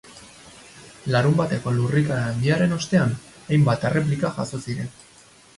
Larunbateko lurrikara handiaren ostean, hainbat erreplika jazo ziren.